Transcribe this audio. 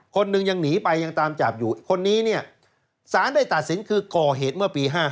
คนหนึ่งยังหนีไปยังตามจับอยู่คนนี้เนี่ยสารได้ตัดสินคือก่อเหตุเมื่อปี๕๗